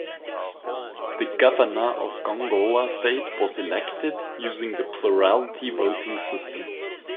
The Governor of Gongola State was elected using the plurality voting system.